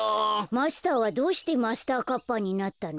マスターはどうしてマスターカッパーになったの？